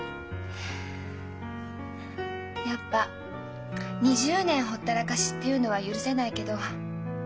やっぱ２０年ほったらかしっていうのは許せないけど。